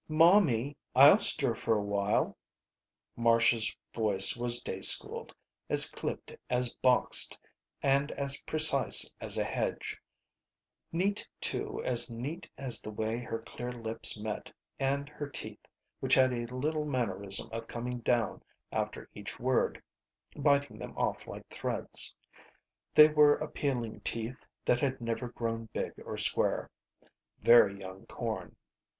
"Momie, I'll stir for a while." Marcia's voice was day schooled. As clipped, as boxed, and as precise as a hedge. Neat, too, as neat as the way her clear lips met, and her teeth, which had a little mannerism of coming down after each word, biting them off like threads. They were appealing teeth that had never grown big or square. Very young corn.